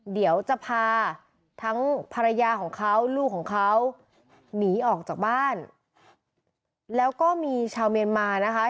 เดี๋ยวจะพาทั้งภรรยาของเขาลูกของเขาหนีออกจากบ้านแล้วก็มีชาวเมียนมานะคะ